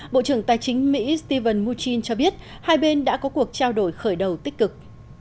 bộ trưởng tài chính mỹ stephen mnuchin cho biết hai bên đã có cuộc trao đổi khởi đầu tích cực